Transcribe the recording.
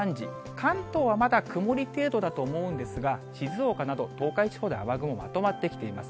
関東はまだ曇り程度だと思うんですが、静岡など、東海地方で雨雲、まとまってきています。